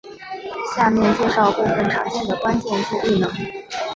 下面介绍部分常见的关键字异能。